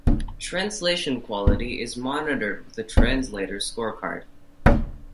Translation quality is monitored with a translator scorecard.